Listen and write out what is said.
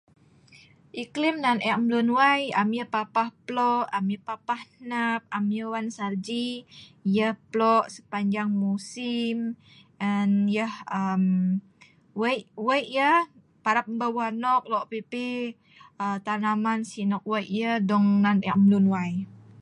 Iklim nan eek mluen wai am yeh papah plo, am yeh papah hnep, am yeh waen salji, yeh plo' sepanjang musim, en yeh em wei yeah parap mbeu anok lue pi' pi' tanaman si nok wei dong nan eek mluen wai.